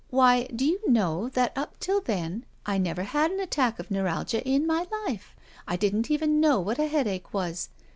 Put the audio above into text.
Why, do you know that up to then I never had an attack of neuralgia in my life. Didn't even know what a headache was.